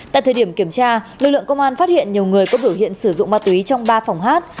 tại thời điểm kiểm tra lực lượng công an phát hiện nhiều người có biểu hiện sử dụng ma túy trong ba phòng hát